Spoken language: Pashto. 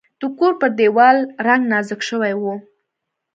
د کور پر دیوال رنګ نازک شوی و.